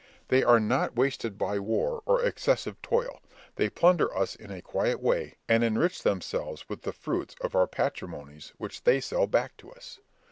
They are not wasted by war or excessive toil; they plunder us in a quiet way, and enrich themselves with the fruits of our patrimonies which they sell back to us.